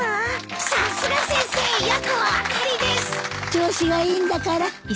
調子がいいんだから。